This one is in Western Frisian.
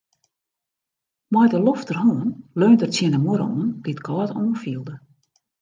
Mei de lofterhân leunde er tsjin de muorre oan, dy't kâld oanfielde.